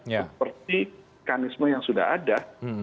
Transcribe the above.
seperti mekanisme yang sudah ada